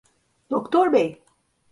Doktor bey!